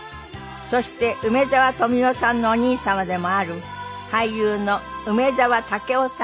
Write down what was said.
そして梅沢富美男さんのお兄様でもある俳優の梅沢武生さんです。